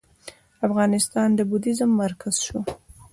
افغانستان د بودیزم مرکز شو